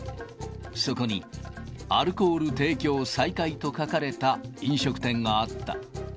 そこに、アルコール提供再開と書かれた飲食店があった。